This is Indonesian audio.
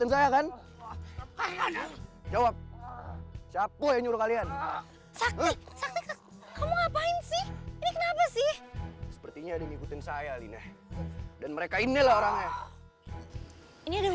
sebenernya ada apa sih